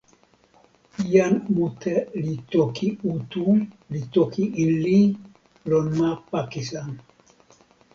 jan mute li toki Utu li toki Inli lon ma Pakisan.